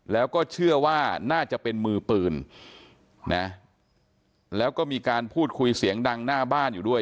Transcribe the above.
แล้วก็เชื่อว่าน่าจะเป็นมือปืนนะแล้วก็มีการพูดคุยเสียงดังหน้าบ้านอยู่ด้วย